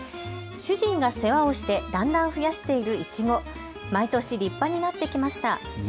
主人が世話をしてだんだん増やしているいちご、毎年立派になってきました。